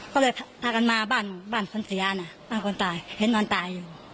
ก็เลยพากันมาบ้านบ้านคนเสียนะบ้านคนตายเห็นนอนตายอยู่